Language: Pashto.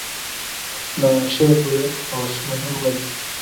د عیاشۍ او قدرت هوسونه هم بد دي.